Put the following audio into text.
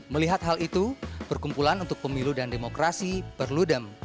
melihat hal itu perkumpulan untuk pemilu dan demokrasi perludem